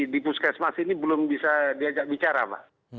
di puskesmas ini belum bisa diajak bicara pak